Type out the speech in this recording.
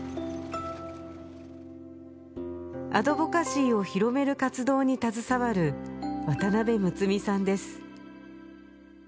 アドボカシーを広める活動に携わる渡辺睦美さんです